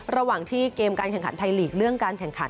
ระหว่างที่เกมการแข่งขันไทยลีกเรื่องการแข่งขัน